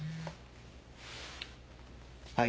はい。